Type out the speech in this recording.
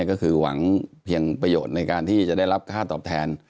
ก็คือหวังเพียงประโยชน์ในการที่จะได้รับค่าตอบแทน